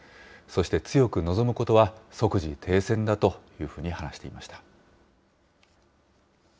そして強く望むことは、即時停戦だというふうに話していました。